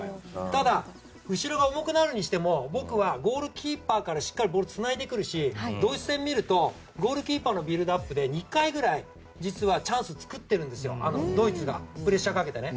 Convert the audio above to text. ただ後ろが重くなるにしてもゴールキーパーからしっかりボールをつないでくるしドイツ戦を見るとゴールキーパーのビルドアップで２回ぐらい実はチャンスを作っているんですドイツがプレッシャーかけてね。